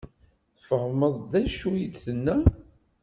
Tfehmeḍ d acu i d-tenna?